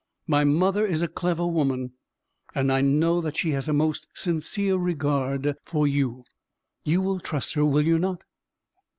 My mother is a clever woman, and I know that she has a most sincere regard for you. You will trust her, will you not?"